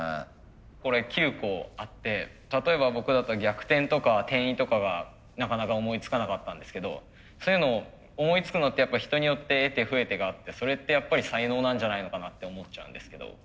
これ９個あって例えば僕だったら逆転とか転移とかがなかなか思いつかなかったんですけどそういうのを思いつくのってやっぱ人によって得手不得手があってそれってやっぱり才能なんじゃないのかなって思っちゃうんですけど。